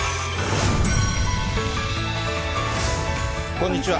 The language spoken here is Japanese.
こんにちは。